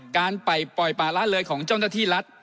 การปล่อยป่าละเลยของเจ้าหน้าที่รัฐ